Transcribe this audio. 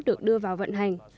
được đưa vào vận hành